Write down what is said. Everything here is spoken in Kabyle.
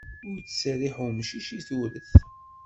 Ur ittserriḥ umcic i turet!